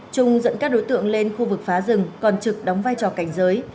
trung dẫn các đối tượng lên khu vực phá rừng còn trực đóng vai trò cảnh giới